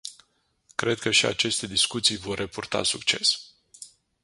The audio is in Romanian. Cred că și aceste discuții vor repurta succes.